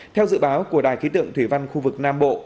theo dự báo của đài khí tượng thủy văn khu vực nam bộ